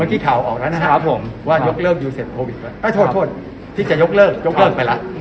ใช่ครับผมว่ายกเลิกยูเซ็ตโฟวิตแล้วที่จะยกเลิกยกเลิกไปแล้ว